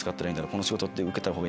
この仕事って受けたほうが？